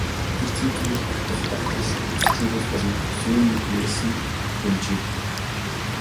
Тэр цээжинд үл багтах багтрал дусал нулимс болон зүүн нүднээс нь бөнжийв.